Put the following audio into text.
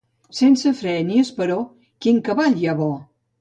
Sense fre ni esperó, quin cavall hi ha bo?